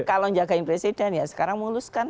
kalau jagain presiden ya sekarang muluskan